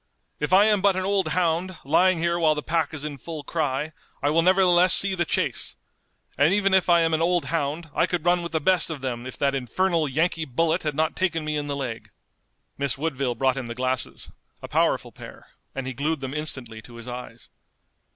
If I am but an old hound, lying here while the pack is in full cry, I will nevertheless see the chase! And even if I am an old hound I could run with the best of them if that infernal Yankee bullet had not taken me in the leg!" Miss Woodville brought him the glasses, a powerful pair, and he glued them instantly to his eyes.